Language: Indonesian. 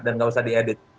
dan nggak usah di edit